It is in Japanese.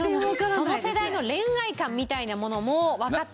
その世代の恋愛観みたいなものもわかっていないと。